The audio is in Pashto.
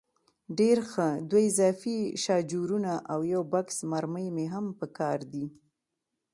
ډېر ښه، دوه اضافي شاجورونه او یو بکس مرمۍ مې هم په کار دي.